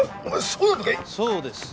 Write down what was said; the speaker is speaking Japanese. そうですよ。